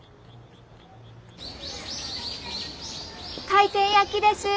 回転焼きです。